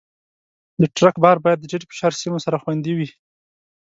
د ټرک بار باید د ټیټ فشار سیمو سره خوندي وي.